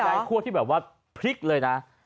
เออะเป็นใกล้หมาพลิกเลยนะ